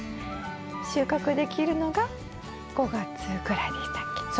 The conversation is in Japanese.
収穫できるのが５月ぐらいでしたっけ？